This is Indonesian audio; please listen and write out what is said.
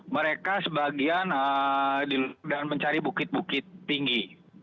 mereka sebagian dan mencari bukit bukit tinggi